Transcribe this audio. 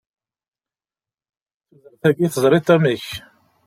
Tudert-agi, tezṛiḍ amek!